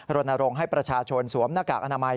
รณรงค์ให้ประชาชนสวมหน้ากากอนามัย